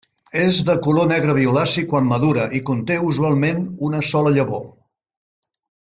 És de color negre violaci quan madura i conté usualment una sola llavor.